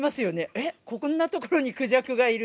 えっ、こんな所にクジャクがいる？